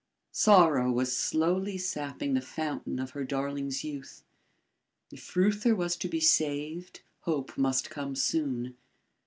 Sorrow was slowly sapping the fountain of her darling's youth. If Reuther was to be saved, hope must come soon.